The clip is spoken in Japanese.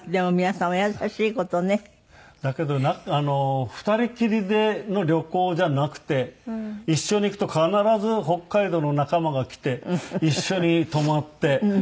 だけど２人きりでの旅行じゃなくて一緒に行くと必ず北海道の仲間が来て一緒に泊まって同じ部屋に寝て。